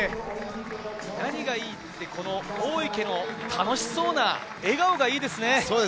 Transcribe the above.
何がいいって、大池の楽しそうな笑顔がいいですね。